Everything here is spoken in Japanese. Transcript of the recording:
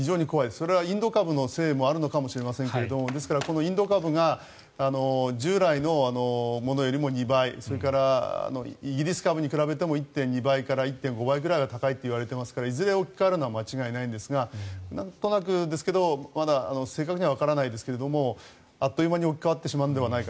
それはインド株のせいもあるのかもしれませんがですから、インド株が従来のものよりも２倍それからイギリス株に比べても１．２倍から１．５倍ぐらい高いといわれていますからいずれ置き換わるのは間違いないですがなんとなくですけど正確にはわからないですけどあっという間に置き換わってしまうんじゃないか。